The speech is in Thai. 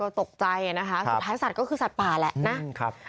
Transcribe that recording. ตกใจนะคะสุดท้ายสัตว์ก็คือสัตว์ป่าแหละนะ